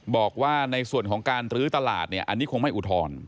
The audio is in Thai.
บอกว่าในส่วนของการลื้อตลาดเนี่ยอันนี้คงไม่อุทธรณ์